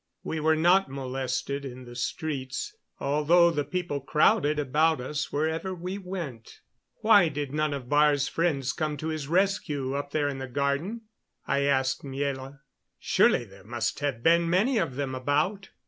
We were not molested in the streets, although the people crowded about us wherever we went. "Why did none of Baar's friends come to his rescue up there in the garden?" I asked Miela. "Surely there must have been many of them about."